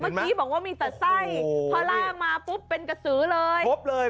เมื่อกี้บอกว่ามีแต่ไส้พอล่ามาปุ๊บเป็นกระสือเลยครบเลย